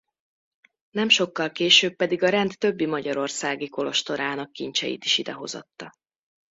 Nem sokkal később pedig a rend többi magyarországi kolostorának kincseit is ide hozatta.